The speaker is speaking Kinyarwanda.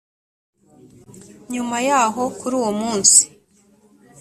nyuma yaho kuri uwo munsi